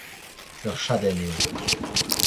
Ur chadenn eo.